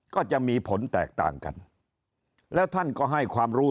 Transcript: ก็จะมีผลแตกต่างกันแล้วท่านก็ให้ความรู้